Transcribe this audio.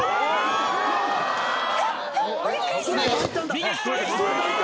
右ストレート！